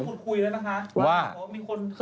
แล้วก็มีคนพูดได้นะคะว่า